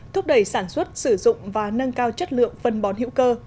thúc đẩy sản xuất sử dụng và nâng cao chất lượng phân bón hữu cơ